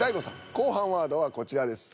後半ワードはこちらです。